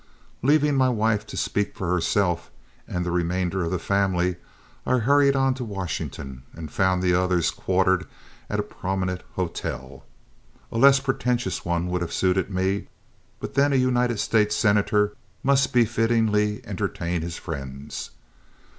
Leaving my wife to speak for herself and the remainder of the family, I hurried on to Washington and found the others quartered at a prominent hotel. A less pretentious one would have suited me, but then a United States senator must befittingly entertain his friends.